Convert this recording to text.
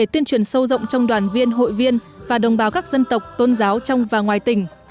tuyên truyền sâu rộng trong đoàn viên hội viên và đồng bào các dân tộc tôn giáo trong và ngoài tỉnh